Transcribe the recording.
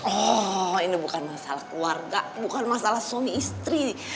oh ini bukan masalah keluarga bukan masalah suami istri